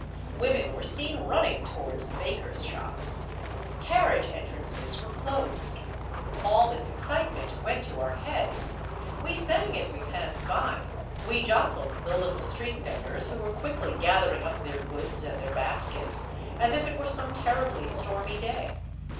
Women were seen running towards the bakers' shops. Carriage en trances were closed. All this excitement went to our heads. We sang as we passed by, we jostled the little street vendors, who were quickly gather ing up their goods and their baskets, as if it were some terribly stormy day.